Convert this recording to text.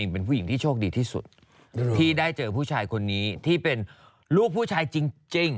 เป็นลูกผู้ชายจริง